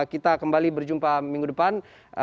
kita kembali berjumpa minggu depan